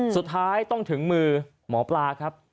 สุดท้ายต้องถึงมือหมอปลาครับ